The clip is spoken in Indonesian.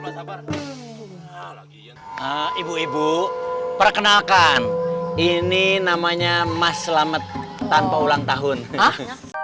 mas sabar ibu ibu perkenalkan ini namanya mas selamat tanpa ulang tahun ah